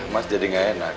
mas jadi gak enak